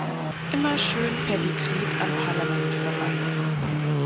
Immer schön per Dekret am Parlament vorbei.